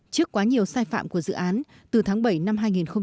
trước quá nhiều sai phạm của dự án từ tháng bảy năm hai nghìn một mươi chín